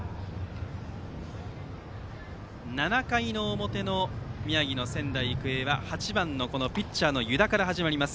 ７回の表の宮城の仙台育英は８番のピッチャーの湯田から始まります。